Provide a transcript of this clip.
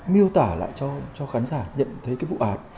miêu tả lại cho khán giả nhận thấy cái vụ án